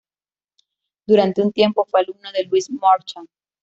Durante un tiempo fue alumno de Louis Marchand.